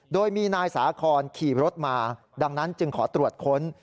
โดยมีนายสาคอนขี่รถมาดังนั้นจึงขอตรวจค้น